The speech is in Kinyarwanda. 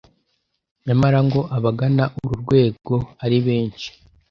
nyamara ngo abagana uru rwego ari benshi